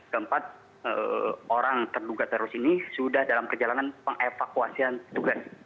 keempat orang terduga teroris ini sudah dalam perjalanan pengevakuasian tugas